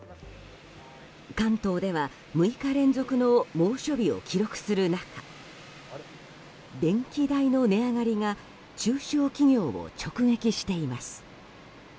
関東では６日連続の猛暑日を記録する中電気代の値上がりが中小企業を直撃しています。